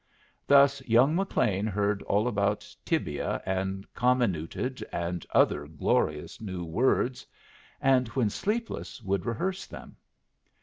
Thus young Lin heard all about tibia, and comminuted, and other glorious new words, and when sleepless would rehearse them.